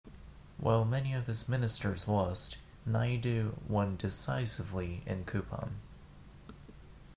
While many of his ministers lost, Naidu won decisively in Kuppam.